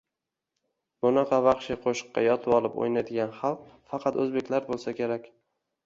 Bunaqa vaxshiy qo'shiqqa yotvolib o'ynaydigan xalq - faqat O'zbeklar bo'lsa kerak...